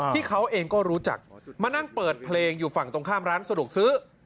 ที่เขาเองก็รู้จักมานั่งเปิดเพลงอยู่ฝั่งตรงข้ามร้านสะดวกซื้อ